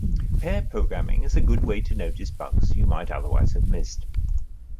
Pair programming is a good way to notice bugs you might otherwise have missed.